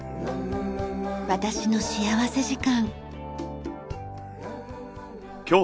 『私の幸福時間』。